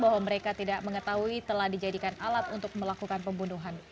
bahwa mereka tidak mengetahui telah dijadikan alat untuk melakukan pembunuhan